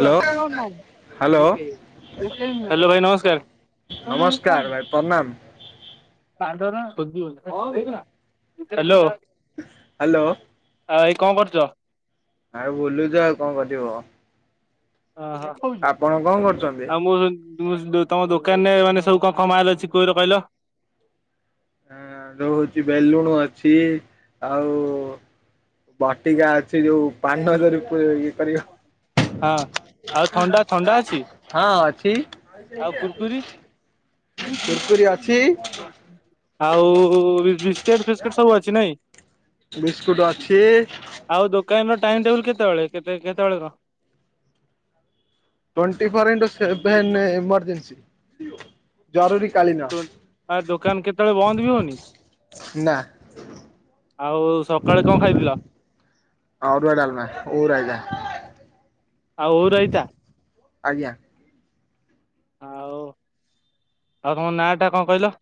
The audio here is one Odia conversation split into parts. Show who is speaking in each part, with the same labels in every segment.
Speaker 1: ହ୍ୟାଲୋ
Speaker 2: ହାଲୋ
Speaker 1: ହ୍ୟାଲୋ
Speaker 2: ଭାଇ ନମସ୍କାର୍ ।
Speaker 1: ନମସ୍କାର ଭାଇ ପ୍ରଣାମ ।
Speaker 2: [unintelligible] ହାଲୋ।
Speaker 1: ହାଲୋ
Speaker 2: ଆ ଏ କଣ କରୁଚ?
Speaker 1: ଆଉ ବୁଲୁଚ ଆଉ କଣ କରିିବ? କରୁଛନ୍ତି?
Speaker 2: [unintelligible] ତମ ଦୋକାନ ରେ ମାନେ ସବୁ କଣ କଣ ପୁଅର କହିଲ?
Speaker 1: ଆ ର ହୋଉଛି ବେଲୁନ୍ ଅଛି ଆଉ ବଟିକା ଅଛି ଯଉ ପାନ ଦେହରେ
Speaker 2: ହଁ ଆଉ ଥଣ୍ଡା ଥଣ୍ଡା ଅଛି
Speaker 1: ହଁ ଅଛି
Speaker 2: ଆଉ କୁର୍ କୁରି?
Speaker 1: କୁୁରକୁରି ଅଛି ବିସ୍କୁଟ ଅଛି
Speaker 2: ଆଉ [unintelligible] ତମର ଟାଇମ୍ ଟେବୁଲ୍ କେତେବେଳେ କେତଳେ କଣ?
Speaker 1: ଟ୍ୱଣ୍ଟି ଫୋର ଇଁଟୁ ସେଭେନେ ଏମୋର୍ଜିନ୍ସୀ ଜରୁରୀ କାଳୀନ
Speaker 2: ଆ ଦୋକାନ କେତେବେଳେ ବନ୍ଦ ବି ହଉନି
Speaker 1: ନା
Speaker 2: ଆଉ ସକାଳେ କଣ ଖାଇଥିଲ?
Speaker 1: ଅରୁଆ, ଡାଲମା, ଓଉ ରାଇତା
Speaker 2: ଆଉ ଓଉ ରାଇତା?
Speaker 1: ଆଜ୍ଞା ।
Speaker 2: ଆଉ ଆଉ ତମ ନା ଟା କଣ କହିଲ?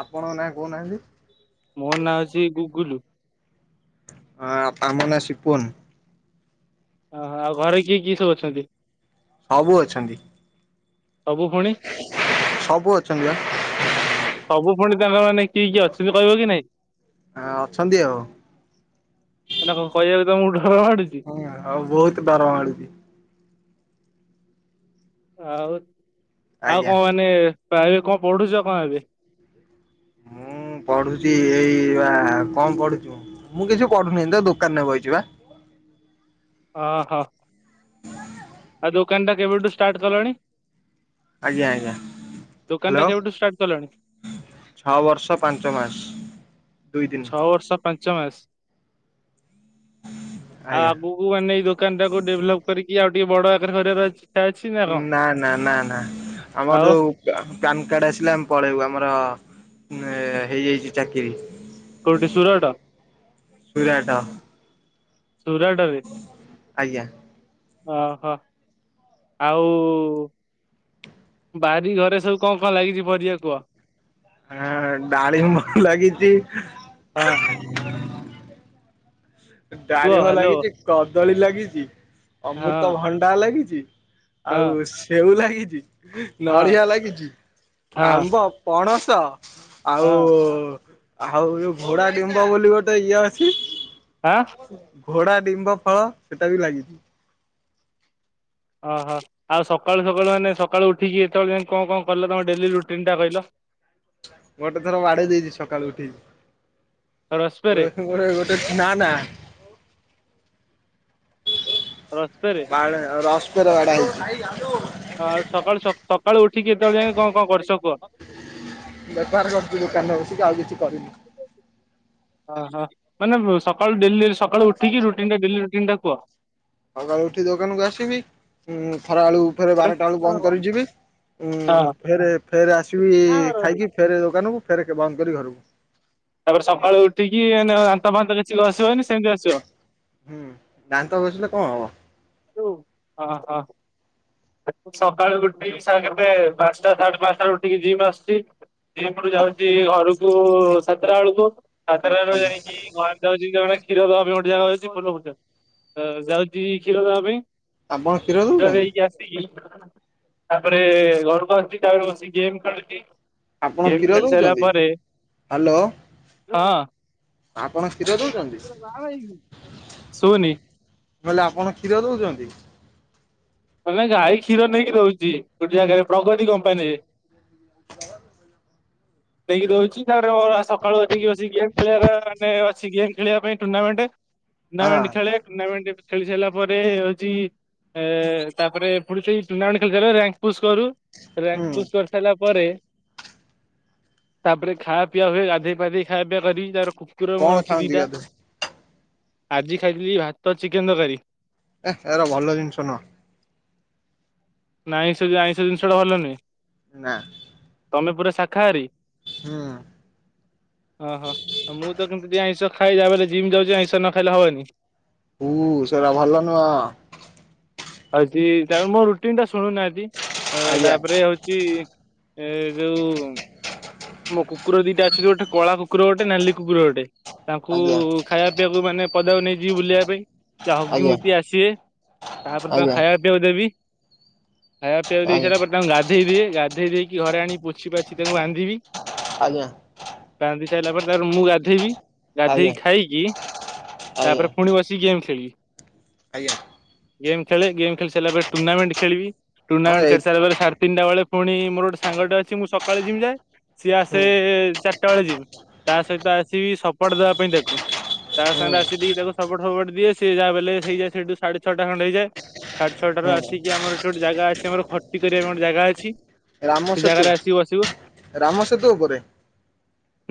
Speaker 1: ଆପଣଙ୍କ ନାଁ କହୁନାହାନ୍ତି
Speaker 2: ମୋ ନାଁ ହଉଛି ଗୁଗୁଲୁ ।
Speaker 1: ଆ ମାମୁ ନାଁ ସିପୁନ୍ ।
Speaker 2: ଓହୋ ଆଉ ଘରେ କିଏ କିଏ ସବୁ ଅଛନ୍ତି?
Speaker 1: ସବୁ ଅଛନ୍ତି
Speaker 2: ସବୁ ପୁଣି
Speaker 1: । ସବୁ ଅଛନ୍ତି ପା
Speaker 2: ସବୁ ପୁଣି ତାଙ୍କ ମାନେ କିଏ କିଏ ଅଛନ୍ତି କହିବକି ନାଇଁ?
Speaker 1: ହଁ ଅଛନ୍ତି ଆଉ
Speaker 2: ହାଲୋ କହିବାକୁ ତମକୁ ଡର ମାଡୁଛି?
Speaker 1: ହଁ ଆଉ ବହୁତ ଦରମା ମିଳୁଛି
Speaker 2: ଆଉ ଆଉ
Speaker 1: ଆଜ୍ଞା।
Speaker 2: କଣ ମାନେ ତ ପ୍ରାଇ ରେ କଣ ପଢୁଚ କଣ ଏବେ?
Speaker 1: ମୁଁ ପଢୁଛି ଏଇ ବା କଣ ପଢୁଛି? ମୁଁ କିଛି କରୁନି ପା ଦୋକାନରେ ବଇଚି ପା।
Speaker 2: ଓ ହୋ । ଆଉ ଦୋକାନ ଟା କେବେଠୁ ଷ୍ଟାର୍ଟ କଲଣି?
Speaker 1: ଆଜ୍ଞା ଆଜ୍ଞା
Speaker 2: ଦୋକାନ ଟା
Speaker 1: ହାଲୋ
Speaker 2: କେବେଠୁ ଷ୍ଟାର୍ଟ କଲଣି?
Speaker 1: । ଛଅ ବର୍ଷ ପାଞ୍ଚ ମାସ ଦୁଇ ଦିନ
Speaker 2: ଛଅ ବର୍ଷ ପାଞ୍ଚ ମାସ ଆଉ
Speaker 1: ଆଜ୍ଞା
Speaker 2: ଆଗକୁ ମାନେ ଏଇ ଦୋକାନ ଟାକୁ ଡେଭ୍ ଲପ୍ କରିକି ଆଉ ଟିକେ ବଡ ଆକାରରେ କରିବାର ଅଛି
Speaker 1: ନା ନା ନା ନା ଆମର
Speaker 2: ଆଉ
Speaker 1: ଯୋଉ ପା-ପ୍ୟାନ୍ କାର୍ଡ ଆସିଲେ ଆମେ ପଳେଇବୁ ଆମର ନା ହେଇଯାଇଛି ଚାକିରି ।
Speaker 2: କଉଠି ସୁରାଟ?
Speaker 1: ସୁରାଟ
Speaker 2: ସୁରାଟ ରେ
Speaker 1: ଆଜ୍ଞା।
Speaker 2: ଓହୋ ଆଉ ବାରି ଘରେ ସବୁ କଣ କଣ ଲାଗିଚି ପରିବା କୁହ?
Speaker 1: ହଁ ଡାଳିମ୍ବ ଲାଗିଚି।
Speaker 2: ହଁ କୁହ
Speaker 1: ଡାଳିମ୍ବ
Speaker 2: ହ୍ୟାଲୋ
Speaker 1: ଲାଗିଚି, କଦଳି ଲାଗିଚି,
Speaker 2: ହଁ।
Speaker 1: ଅମ୍ବୃତ ଭଣ୍ଡା ଲାଗିଚି। ଆଉ
Speaker 2: ହଁ
Speaker 1: ସେଉ ଲାଗିଚି,
Speaker 2: ହଁ
Speaker 1: ନଡ଼ିଆ ଲାଗିଚି,
Speaker 2: ହଁ
Speaker 1: ଆମ୍ବ, ପଣସ ତ ଆଉ
Speaker 2: ହଁ
Speaker 1: ଆଉ ଯ ଘୋଡା ଡିମ୍ବ ବୋଲି ଗୋଟେ ଇଏ ଅଛି।
Speaker 2: ଆଁ
Speaker 1: ଘୋଡ଼ା ଡିମ୍ବ ଫଳ ସେଟା ବି ଲାଗିଚି।
Speaker 2: ଓହ ଆଉ ସକାଳୁ ସକାଳୁ ମାନେ ସକାଳୁ ଉଠିକି ଏତବେଳ ଯାଏ କଣ କଣ କଲ ତମ ଡେଲି ରୁଟିନ ଟା କହିଲ?
Speaker 1: ଗୋଟେ ଥର ବାଡେଇ ଦେଇଚି ସକାଳୁ ଉଠିକି।
Speaker 2: ରସ୍ପେରେ
Speaker 1: [unintelligible] ଗୋଟେ ନା ନା
Speaker 2: ରସ୍ପେରେ
Speaker 1: [unintelligible]
Speaker 2: ଠିକି ଏତବେଳ ଯାଏ କଣ କଣ କରିଚ କୁହ?
Speaker 1: ବେପାର କରୁଥିଲି ଦୋକାନରେ ବସିକି ଆଉ କିଛି କରିନି।
Speaker 2: ଓହୋ ମାନେ ସକାଳୁ ଡେଲି ଡେଲି ସକାଳୁ ଉଠିକି ରୋଟିନ ତା ଡେଲି ରୋଟିନ ଟା କୁହ?
Speaker 1: ସକାଳୁ ଉଠି ଦୋକାନକୁ ଆସିବି ଉ ଖରାବେଳକୁ ଫେରେ
Speaker 2: ଗୋଟେ
Speaker 1: ବାରଟା ବେଳକୁ ବନ୍ଦ
Speaker 2: ହଁ
Speaker 1: କରି ଯି ଉଁ ଫେରେ ଫେରେ ଆସିବି ଖାଇକି ଫେରେ ଦୋକାନକୁ ଫେରେ ବନ୍ଦ କରି ଘରକୁ।
Speaker 2: ତାପରେ ସକାଳୁ ଉଠିକି ଦାନ୍ତ ଫାନ୍ତ କିଛି ଘସିବନି ସେମିତି ଆସିବ?
Speaker 1: ହୁଁ ଦାନ୍ତ ଘସିଲେ କଣ ହବ?
Speaker 2: ହଁ ହଁ। ସକାଳୁ ଉଠିକି ସାଢ଼େ ପା-ପାଞ୍ଚଟା ସାଢ଼େ ପାଞ୍ଚଟା ଉଠିକି ଜିମ୍ ଆସୁଚି। ଏପଟୁ ଯାଉଚି ଘରକୁ ସାତଟା ବେଳକୁ ସାତଟା ରୁ ଯାଇକି ଘରେ [inaudible] ଜଣେ କ୍ଷୀର ଦବା ପାଇଁ ଗୋଟେ ଜାଗା [inaudible] ଯାଉଛି କ୍ଷୀର ଦବା ପାଇଁ
Speaker 1: ଆପଣ କ୍ଷୀର ଦୋଉଛନ୍ତି?
Speaker 2: ଦେଇକି ଆସିକି ତାପରେ ଘରକୁ ଆସୁଚି ତାପରେ ବସି ଗେମ୍ ଖେଳୁଚି।
Speaker 1: ଆପଣ
Speaker 2: ଗେମ
Speaker 1: କ୍ଷୀର
Speaker 2: ଖେଳିସାଇଲା
Speaker 1: ଦଉଛନ୍ତି?
Speaker 2: ପରେ
Speaker 1: ହ୍ୟାଲୋ
Speaker 2: ହଁ।
Speaker 1: ଆପଣ କ୍ଷୀର ଦୋଉଛନ୍ତି? ମୁ
Speaker 2: ଶୁନି
Speaker 1: କହିଲି ଆପଣ କ୍ଷୀର ଦଉଛନ୍ତି?
Speaker 2: ଗାଈ କ୍ଷୀର ନେଇକି ଦୋଉଚି ଗୋଟେ ଜାଗାରେ ପ୍ରଗତି କମ୍ପାନୀରେ।
Speaker 1: [inaudible]
Speaker 2: ଦେଇକି ଦଉଛି ତାପରେ ସକାଳୁ ଏଠକି ବସିକି ଗେମ୍ ଖେଳିବାରେ ମାନେ ସେ ଗେମ୍ ଖେଳିବା ପାଇଁ ଟୁର୍ଣ୍ଣାମେଣ୍ଟ,
Speaker 1: ହଁ
Speaker 2: ଟୁର୍ଣ୍ଣାମେଣ୍ଟ ଖେଳେ ଟୁର୍ଣ୍ଣାମେଣ୍ଟ ଖେଳି ସାରିଲା ପରେ ହୋଉଚି ତାପରେ ପୁଣି ସେଇ ଟୁର୍ଣ୍ଣାମେଣ୍ଟ ଖେଳିସାରିଲା ପରେ ରାଙ୍କପୁଶ କରୁ
Speaker 1: ହୁଁ
Speaker 2: ରଂକପୁସ୍ କରିସାରିଲା ପରେ ତାପରେ ଖାଆ ପିଆ ହୁଏ ଗାଧେଇ ପାଧେଇ ଖାଇବା ପିଆ କରି ତାପରେ କୁକୁର ମୁଁ
Speaker 1: କଣ
Speaker 2: ଅଛି
Speaker 1: ଖାଆନ୍ତି
Speaker 2: ଦିଟା,
Speaker 1: ଗାଧୁଆ
Speaker 2: ଆଜି ଖାଇଥିଲି ଭାତ ଚିକେନ ତରକାରୀ।
Speaker 1: ଏ ଏରା ଭଲ ଜିନିଷ ନୁହଁ।
Speaker 2: ନାଇଁ ସେ ଯୋଉ ଆଇଁଷ ଜିନିଷଟା ଭଲ ନୁହେଁ?
Speaker 1: ନା।
Speaker 2: ତମେ ପୁରା ଶାଖାହାରୀ?
Speaker 1: ହୁଁ
Speaker 2: ଓହୋ ଆଉ ମୁଁ ତ କେମିତି ଆଇଁଷ ଖାଇ [unintelligible] ଜିମ ଯାଉଚି ଆଇଁଷ ନ ଖାଇଲେ ହବନି?
Speaker 1: ହୁ ସେଟା ଭଲ ନୁହଁ।
Speaker 2: ହୋଉଚି ତାପରେ ମୋ ରୁଟିନ ଟା ଶୁଣୁନାହାନ୍ତି
Speaker 1: ଆଜ୍ଞା।
Speaker 2: ତାପରେ ହୋଉଚି ଏ ଜଉ ମୋ କୁକୁର ଦିଟା ଅଛନ୍ତି ଗୋଟେ କଳା କୁକୁର ଗୋଟେ ନାଲି କୁକୁର ଗୋଟେ। ତାଙ୍କୁ
Speaker 1: ଆଜ୍ଞା
Speaker 2: ଖାଇବା ପିଇବାକୁ ମାନେ ପଦାକୁ ନେଇଯିବି ବୁଲିବା ସେ ହଗି
Speaker 1: ଆଜ୍ଞା
Speaker 2: ମୁତି ଆସିବେ ତାପରେ ତାକୁ
Speaker 1: ଆଜ୍ଞା
Speaker 2: ଖାଇବା ପିଇବାକୁ ଦେ ଖାଇବା ପିଇବାକୁ ଦେଇ ସାରିଲା
Speaker 1: ଆଜ୍ଞା
Speaker 2: ପରେ ତାଙ୍କୁ ଗାଧେଇ ଦିଏ, ଗାଧେଇ ଦେଇକି ଘରେ ଆଣି ପୋଛି ପାଛି ତାଙ୍କୁ ବାନ୍ଧିବି।
Speaker 1: ଆଜ୍ଞା।
Speaker 2: ବାନ୍ଧି ସାରିଲା ପରେ ତାପରେ ମୁଁ ଗାଧେଇବି।
Speaker 1: ଆଜ୍ଞା।
Speaker 2: ଗାଧେଇକି ଖାଇକି
Speaker 1: ଆଜ୍ଞା।
Speaker 2: ତାପରେ ପୁଣି ବସିକି ଗେମ୍ ଖେଳିବି।
Speaker 1: ଆଜ୍ଞା।
Speaker 2: ଗେମ୍ ଖେଳେ ଗେମ୍ ଖେଳି ସାରିଲା ପରେ ଟୁର୍ଣ୍ଣାମେଣ୍ଟ ଖେଳିବି
Speaker 1: ହଁ
Speaker 2: ଟୁର୍ଣ୍ଣାମେଣ୍ଟ
Speaker 1: ଏଇ
Speaker 2: ଖେଳି ସାରିଲା ପରେ ସାଢେ ତିନିଟା ବେଳେ ପୁଣି ମୋର ଗୋଟେ ସାଙ୍ଗଟେ ଅଛି ମୁଁ ସକାଳେ ଜିମ ଯାଏ ସିଏ
Speaker 1: ହୁଁ
Speaker 2: ଆସେ ଚାରିଟା ବେଳେ ଜିମ। ତା ସହିତ ଆସିବି ସପର୍ଟ ଦେବା ପାଇଁ ତାକୁ ତା
Speaker 1: ହୁଁ
Speaker 2: ସାଙ୍ଗରେ ଆସି ଦେଇକି ତାକୁ ସପଟ ଫପଟ ଦିଏ ସେ ଯାହାବି ହେଲେ ହେଇଯାଏ ସେଇଠୁ ସାଢେ ଅଠଟା ଖଣ୍ଡ ହେଇଯଏ ସାଢ଼େ ଛଅଟା ରୁ
Speaker 1: ହୁଁ
Speaker 2: ଆସିକି ଆମର ଏଠି ଗୋଟେ ଜାଗା ଅଛି ଖଟି କରିବା ପାଇଁ ଗୋଟେ ଜାଗା ଅଛି।
Speaker 1: ରାମ
Speaker 2: ସେ
Speaker 1: ସେତୁ
Speaker 2: ଜାଗାରେ ଆସିକି ବସିବୁ
Speaker 1: ରାମ ସେତୁ ଉପରେ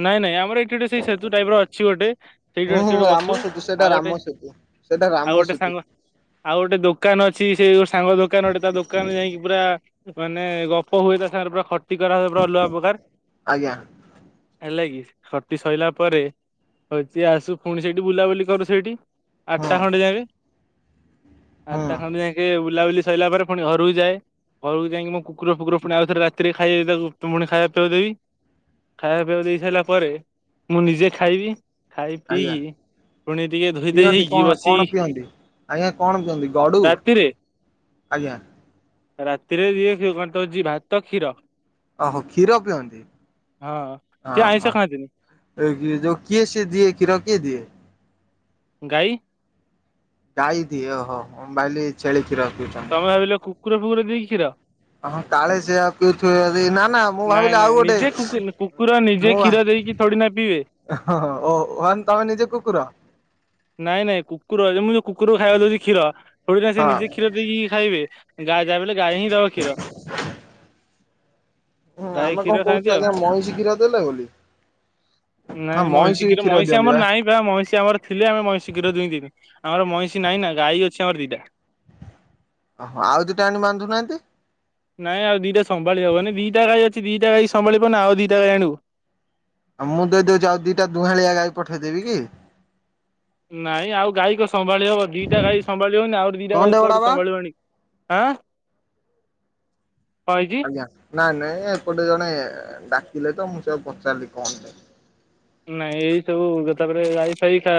Speaker 2: ନାଇଁ ନାଇଁ ଆମର ଏଠି। ସେଟା ସେଇ ସେତୁ ଟାଇପ୍ ର ଅଛି ଗୋଟେ। ସେଇଟୁ
Speaker 1: ହୁଁ
Speaker 2: ଆସି
Speaker 1: ହୁଁ
Speaker 2: ଗୋଟେ
Speaker 1: ରାମ
Speaker 2: ବସୁ
Speaker 1: ସେତୁ ସେଇଟା
Speaker 2: ଆଉ
Speaker 1: ରାମ
Speaker 2: ଗୋଟେ
Speaker 1: ସେତୁ ସେଇଟା
Speaker 2: ଆଉ
Speaker 1: ରାମ
Speaker 2: ଗୋଟେ
Speaker 1: ସେତୁ
Speaker 2: ସାଙ୍ଗ। ଆଉ ଗୋଟେ ଦୋକାନ ଅଛି ସେଉ ସାଙ୍ଗ ଦୋକାନ ଗୋଟେ ଦୋକାନକୁ ଯାଇକି। ପୁରା ମାନେ ଗପ ହୁଏ ତା ସାଙ୍ଗରେ ପୁରା ଖଟି କରା ପୁରା ଅଲଗା ପ୍ରକାର୍।
Speaker 1: ଆଜ୍ଞା।
Speaker 2: ହେଲା କି ଖଟି ସଇଲା ପରେ ହଉଛି ଆସୁ ପୁଣି ସେଇଠି ବୁଲାବୁଲି କରୁ ସେଇଠି।
Speaker 1: ହୁଁ
Speaker 2: ଆଟା ଖଣ୍ଡେ ଯାକେ।
Speaker 1: ହୁଁ
Speaker 2: ଆଟା ଖଣ୍ଡେ ଯାକେ ବୁଲାବୁଲି ସଇଲା ପରେ ପୁଣି ଘରକୁ ଯାଏ। ଘରକୁ ଯାଇକି ମୁଁ କୁକୁର ଫୁକୁର ପୁଣି ଆଉଥରେ ରାତିରେ ଖାଇବେ ତାକୁ ପୁଣି ଖାଇବା ପିଇବାକୁ ଦେବି। ଖାଇବା ପିଇବା ଦେଇ ସାରିଲା ପରେ ମୁଁ ନିଜେ ଖାଇବି। ଖାଇ
Speaker 1: ଆଜ୍ଞା
Speaker 2: ପିଇକି ପୁଣି ଟିକେ ଧୋଇଧାଇ
Speaker 1: ପିଅନ୍ତି
Speaker 2: ହେଇକି
Speaker 1: କଣ କଣ
Speaker 2: ବସିବି।
Speaker 1: ପିଅନ୍ତି? ଆଜ୍ଞା କଣ କୁଛନ୍ତି ଗଡ଼ୁ ଆଜ୍ଞା।
Speaker 2: ରାତିରେ ଯିଏ ଦଉଛି ଭାତ, କ୍ଷୀର।
Speaker 1: ଓହୋ କ୍ଷୀର ପିଅନ୍ତି।
Speaker 2: ହଁ। ସେ ଆଇଁଷ ଖାଆନ୍ତିନି
Speaker 1: ହଁ ହଁ କିଏ ସିଏ ଦିଏ କ୍ଷୀର କିଏ ଦିଏ।
Speaker 2: ଗାଈ।
Speaker 1: ଗାଈ ଦିଏ ଓହୋ ମୁଁ ଭାବିଲି ଛେଳି କ୍ଷୀର। ପିଉଛନ୍ତି।
Speaker 2: ତମେ ଭାବିଲ କୁକୁର ଫୁକୁର ଦିଏକି କ୍ଷୀର।
Speaker 1: ହଁ କାଳେ ସେଆ ପିଉଥିବେ ଯଦି ନା। ନା ମୁଁ
Speaker 2: ନାଇଁ
Speaker 1: ଭାବିଲି ଆଉ
Speaker 2: ନାଇଁ
Speaker 1: ଗୋଟେ
Speaker 2: ନିଜେ କୁ କୁକୁର ନିଜେ କ୍ଷୀର ଦେଇକି ଥୋଡି଼ ନା ପିଇବେ।
Speaker 1: ଓହୋ ତମେ ନିଜେ କୁକୁର।
Speaker 2: ନାଇଁ ନାଇଁ କୁକୁର ଏ ମୁଁ ଯୋଉ କୁକୁରକୁ ଖାଇବାକୁ ଦଉଛି କ୍ଷୀର ଥୋଡା ସେ
Speaker 1: ହଁ
Speaker 2: ନିଜେ କ୍ଷୀର ଦେଇକି ଖାଇ। ଯାବି ହେଲେ ଗାଈ ହିଁ ଦବ କ୍ଷୀର।
Speaker 1: ହୁଁ
Speaker 2: ଗାଈ
Speaker 1: ଆମେ
Speaker 2: କ୍ଷୀର
Speaker 1: କଣ
Speaker 2: ଖାଆନ୍ତି
Speaker 1: କହୁଛୁ
Speaker 2: ଆଉ।
Speaker 1: ଆଜ୍ଞା ମଇଷି କ୍ଷୀର ଦେଲେ ବୋଲି। ହଁ
Speaker 2: ନାଇଁ
Speaker 1: ମଇଁଷି
Speaker 2: ମଇଁଷୀ
Speaker 1: ବି
Speaker 2: କିନ୍ତୁ
Speaker 1: କ୍ଷୀର
Speaker 2: ମଇଁଷି
Speaker 1: ଦିଅନ୍ତି
Speaker 2: ଆମର ନାଇଁ ବା ମଇଁଷି ଆମର ଥିଲ। ଆମେ ମଇଁଷି କ୍ଷୀର ଦୁଇକି ଆମର ମଇଁଷି ନାହିଁ ନା ଗାଈ ଅଛି ଆମର ଦିଟା।
Speaker 1: ଓହୋ ଆଉ ଦୁଇଟାଆଣି ବାନ୍ଧୁନାହାଁନ୍ତି।
Speaker 2: ନାଇଁ ଆଉ ଦିଟା ସମ୍ଭାଳି ହବନି ଦିଟା ଗାଈ ଅଛି ଦିଟା ଗାଈକି ସମ୍ଭାଳିପାରୁନୁ ଆଉ ଦିଟା ଗାଈ ଆଣିବୁ।
Speaker 1: ଆଉ ମୁଁ ଦେଇଦଉଛି ଆଉ ଦିଟା ଦୁହାଁଳିଆ ଗାଈ ପଠେଇଦେବି କି।
Speaker 2: ନାଇଁ ଆଉ ଗାଈ କ ସମ୍ଭାଳି ହବ ଦିଟା ଗାଈ ସମ୍ଭାଳିିହଉନି ଆଉ ଦିଟା
Speaker 1: କଣଟେ
Speaker 2: ଗାଈ
Speaker 1: ବଡ
Speaker 2: କୁଆଡୁ
Speaker 1: ବାବା?
Speaker 2: ସମ୍ଭାଳିବୁ ଆଣିକି। ଆଁ। କଣ ହେଇଛି
Speaker 1: ଆଜ୍ଞା ନାଇ ନାଇଁ ଏପଟେ ଜଣେ। ଥିଲେ ତ ମୁଁ ସେ ପଚାରିଲି କଣ।
Speaker 2: ନାଇଁ ଏଇ ସବୁ ତାପରେ ଗାଈ ଫାଇ ତା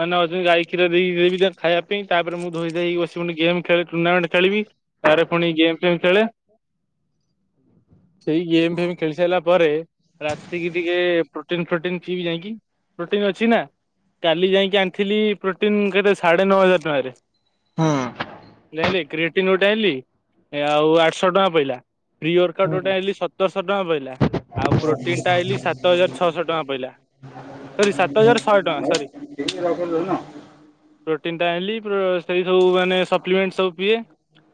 Speaker 2: ମାନେ ଅଛନ୍ତି ଗାଈ କ୍ଷୀର ଦେଇକି ଦେବି ଖାଇବା ପାଇଁ। ତାପରେ ମୁଁ ଧୋଇ ଧାଇକି ବସି ପୁଣି ଗେମ୍ ଖେଳେ ଟୁର୍ଣ୍ଣାମେଣ୍ଟ ଖେଳିବି ତାରେ ପୁଣି ଗେମ୍ ଫେମ୍ ଖେଳେ। [inaudible] ସେଇ ଗେମ୍ ଫେମ୍ ଖେଳି ସାରିଲା ପରେ ରାତିକି ଟିକେ ପ୍ରୋଟିନ ଫ୍ରୋଟିନ। ପିଇବି ଯାଇକି ପ୍ରୋଟିନ ଅଛି ନା। କାଲି ଯାଇକି ଆଣିଥିଲି ପ୍ରୋଟିନ୍ ଘରେ ସାଢ଼େ ନଅ ହଜାର ଟଙ୍କାରେ।
Speaker 1: ହୁଁ।
Speaker 2: ଯାଇଁଲେ କ୍ରିଏଟିନ୍ ଗୋଟେ ଆଣିଲି ଆଉ ଆଠଶହ ଟଙ୍କା ପଇଲା। ପ୍ରି ଅର୍କଟୋ ଟେ
Speaker 1: ହୁଁ
Speaker 2: ଆଣିଲି ସତରଶହ ଟଙ୍କା ପଇଲା ଆଉ ପ୍ରୋଟିନ୍ ଟା ଆଣିଲି ସାତ ହଜାର ଛଅଶହ ଟଙ୍କା ପଇଲା। ସରି ସାତ ହଜାର ଶହେ ଟଙ୍କା ସରି ପ୍ରୋଟିନ୍ ଟା ଆଣିଲି ପ୍ରୋ ସେଇ ଯୋଉ ମାନେ ସପ୍ଲିମେଣ୍ଟ ସବୁ ପିଏ।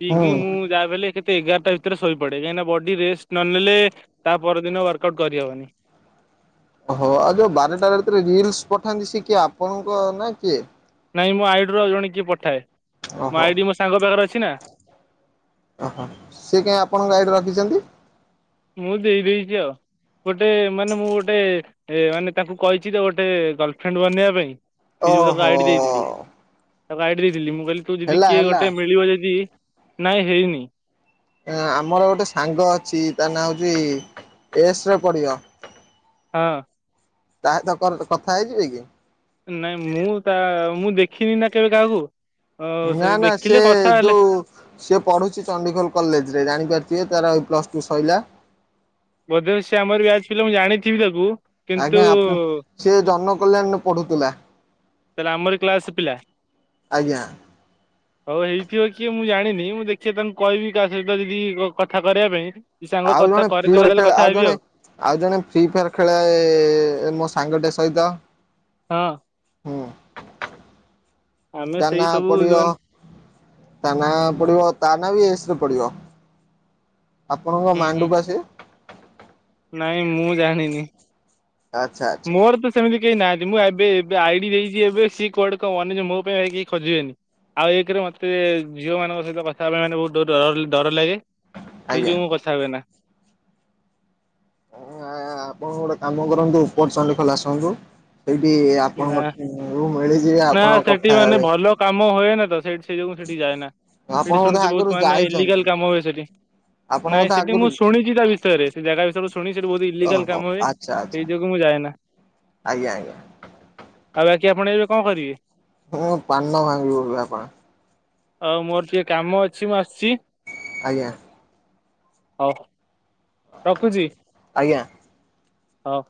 Speaker 2: ପିଇକି ମୁଁ ଯାବିହେଲେ କେତେ ଏଗାରଟା ଭିତରେ ଶୋଇପଡେ କାହିଁକିନା ବଡି଼ ରେଷ୍ଟ ନ ନେଲେ ତା ପରଦିନ ୱାର୍କ ଆଉଟ କରିହବନି।
Speaker 1: ଓହୋ। ଆଉ ଯୋଉ ବାରଟା ଭିତରେ ରିଲସ୍ ପଠାନ୍ତି ସେ କିଏ ଆପଣଙ୍କ ନା କିଏ?
Speaker 2: ନାଇଁ ମୋ ଆଇଡିରୁ ଆଉ ଜଣେ କିଏ ପଠାଏ ମୋ
Speaker 1: ଓହୋ
Speaker 2: ଆଇଡି ମୋ ସାଙ୍ଗ ପାଖରେ ଅଛି ନା।
Speaker 1: ଓହୋ ସେ କାଇଁ ଆପଣଙ୍କ ଆଇଡି ରଖିଚନ୍ତି?
Speaker 2: ମୁଁ ଦେଇ ଦେଇଦେଇଚି ଆଉ। ଗୋଟେ ମାନେ ମୁଁ ଗୋଟେ ମାନେ ତାକୁ କହିଚି ତ ଗୋଟେ ଗର୍ଲଫ୍ରେଣ୍ଡ ବନେଇବା ପାଇଁ। ସେଇ ଯୋଗୁ ତାକୁ
Speaker 1: ଓହୋ।
Speaker 2: ଆଇଡି ଦେଇଥିଲି। ତାକୁ ଆଇଡି ଦେଇଥିଲି ମୁଁ ବୋଲି ତୁ ଯଦି
Speaker 1: ହେଲା
Speaker 2: କିଏ
Speaker 1: ହେଲା
Speaker 2: ଗୋଟେ ମିଳିବ ଯଦି ନାଇଁ ହେଇନି।
Speaker 1: ଆମର ଗୋଟେ ସାଙ୍ଗ ଅଛି। ତା ନାଁ ହୋଉଚି ଏସ୍ ରେ ପଡିବ।
Speaker 2: ହଁ।
Speaker 1: ତାହା ଚକରେ କଥା ହେଇଯିବେ କି?
Speaker 2: ନାଇଁ ମୁଁ ତା ମୁଁ ଦେଖିନି ନା କେବେ କାହାକୁ। ଅ
Speaker 1: ନା ନା
Speaker 2: ଦେଖିଲେ
Speaker 1: ସେ
Speaker 2: କଥା ହେଲେ
Speaker 1: ଯୋଉ ସେ ପଢୁଚି ଚଣ୍ଡିଖୋଲ କଲେଜରେ ଜାଣିପାରୁଥିବେ ତାର ପ୍ଲସଟୁ ସଇଲା।
Speaker 2: ଯଦିଓ ସେ ଆମରି ବ୍ୟାଚ ପିଲା ମୁଁ ଜାଣିଥିବି ତାକୁ। କିନ୍ତୁ
Speaker 1: ଆଜ୍ଞା ଆପ ସେ ଜନ କଲ୍ୟାଣରେ ପଢୁଥିଲା।
Speaker 2: ତାହେଲେ ଆମରି କ୍ଲାସ ପିଲା।
Speaker 1: ଆଜ୍ଞା।
Speaker 2: ହୋଉ ହେଇଥିବ କିଏ ମୁଁ ଜାଣିନି। ମୁଁ ଦେଖିଆ ତାଙ୍କୁ କହିବି କାହା ସହିତ ଯଦି କଥା କରିବା ପାଇଁ କି ସାଙ୍ଗ
Speaker 1: ଆଉ
Speaker 2: କଥା
Speaker 1: ଜଣେ
Speaker 2: କରିଦେଲେ
Speaker 1: ପ୍ରିୟର
Speaker 2: ବଲେ
Speaker 1: ଖେଳ
Speaker 2: କଥା
Speaker 1: ଆଉ
Speaker 2: ହେବି
Speaker 1: ଜଣେ ଆଉ ଜଣେ ଫ୍ରି ଫାୟାର ଖେଳେ ମୋ ସାଙ୍ଗଟେ ସହିତ।
Speaker 2: ହଁ। ଆମେ ସେଇ
Speaker 1: ତାନା
Speaker 2: ସବୁ
Speaker 1: ପଡିିବ
Speaker 2: ଯୋଉମାନେ
Speaker 1: ତାନା ପଡିିବ ତାନା ବି ଏସ୍ ରେ ପଡିବ ଆପଣଙ୍କ
Speaker 2: ହୁଁ ହୁଁ
Speaker 1: ମାଣ୍ଡୁ ପା ସିଏ?
Speaker 2: ନାଇଁ ମୁଁ ଜାଣିନି।
Speaker 1: ଆଚ୍ଛା, ଆଚ୍ଛା।
Speaker 2: ମୋର ତ ସେମିତି କେହି ନାହାନ୍ତି ମୁଁ ଏବେ ଏବେ ଆଇଡି ଦେଇଚି‌ ଏବେ ସିଏ କୁଆଡେ କଣ [unintelligible] ମୋ ପାଇଁ କେହି ଖୋଜିବେନି। ଆଉ ଏକରେ ମତେ ଝିଅମାନଙ୍କ ସହିତ କଥା ହେବା ପାଇଁ ମାନେ ବୋହୁତ ଡ-ଡର ଲାଗେ। ସେଇ
Speaker 1: ଆଜ୍ଞା।
Speaker 2: ଯୋଗୁଁ ମୁଁ କଥା ହୁଏ ନା।
Speaker 1: ଆପଣ ଗୋଟେ କାମ କରନ୍ତୁ ଉପର ଚଣ୍ଡିଖୋଲ ଆସନ୍ତୁ। ସେଇଠି
Speaker 2: ନା
Speaker 1: ଆପଣଙ୍କ ରୁମ୍ ମିଳିଯିବେ
Speaker 2: ନା
Speaker 1: ଆପଣ
Speaker 2: ସେଠି
Speaker 1: କଥା
Speaker 2: ମାନେ
Speaker 1: ହେବେ।
Speaker 2: ଭଲ କାମ ହୁଏନା ତ ସେଠି ସେଇ ଯୋଗୁଁ ହେଟିକି ଯାଏନା
Speaker 1: ଆପଣ
Speaker 2: ସେଠି
Speaker 1: ବୋଧେ
Speaker 2: ଶୁଣିଚି
Speaker 1: ଆଗରୁ
Speaker 2: ବୋହୁତ ମାନେ
Speaker 1: ଯାଇଛନ୍ତି
Speaker 2: ଇଲିଗାଲ କାମ ହୁଏ ସେଠି।
Speaker 1: ଆପଣ
Speaker 2: ନାଇଁ
Speaker 1: ବୋଧେ
Speaker 2: ସେଠି
Speaker 1: ଆଗରୁ
Speaker 2: ମୁଁ ଶୁଣିଚି ତା ବିଷୟରେ ସେ ଜାଗା ବିଷୟରେ ଶୁ ଣିଚି ସେଠି ବୋହୁତ ଇଲିଗାଲ
Speaker 1: ଓହୋ
Speaker 2: କାମ ହୁଏ।
Speaker 1: ଆଚ୍ଛା ଆଚ୍ଛା।
Speaker 2: ସେଇ ଯୋଗୁଁ ମୁଁ ଯାଏ ନା।
Speaker 1: ଆଜ୍ଞା ଆଜ୍ଞା
Speaker 2: ଆଉ ବାକି ଆପଣ ଏବେ କଣ କରିବେ?
Speaker 1: ହଁ ପାନ ଭାଙ୍ଗିବି ବାପା
Speaker 2: ଆଉ ମୋର ଟିକେ କାମ ଅଛି ମୁଁ ଆସୁଚି।
Speaker 1: ଆଜ୍ଞା।
Speaker 2: ହୋଉ ରଖୁଚି
Speaker 1: ଆଜ୍ଞା।
Speaker 2: ହୋଉ।